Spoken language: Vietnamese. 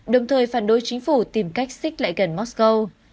đồng thời phản đối chính phủ tìm cách xích lại gần moscow